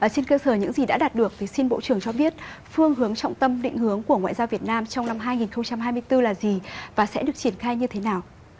trên cơ sở những gì đã đạt được thì xin bộ trưởng cho biết phương hướng trọng tâm định hướng của ngoại giao việt nam trong năm hai nghìn hai mươi bốn là gì và sẽ được triển khai như thế nào